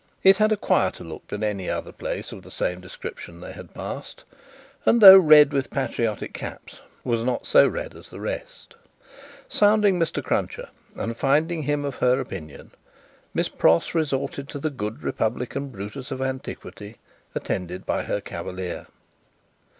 It had a quieter look than any other place of the same description they had passed, and, though red with patriotic caps, was not so red as the rest. Sounding Mr. Cruncher, and finding him of her opinion, Miss Pross resorted to the Good Republican Brutus of Antiquity, attended by her cavalier.